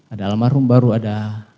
ada almarhum baru ada